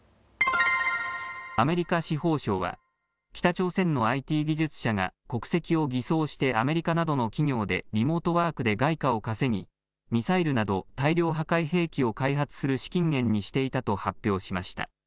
アメリカ司法省は北朝鮮のＩＴ技術者が国籍を偽装してアメリカなどの企業でリモートワークで外貨を稼ぎミサイルなど大量破壊兵器を開発する資金源にしていたと発表しました。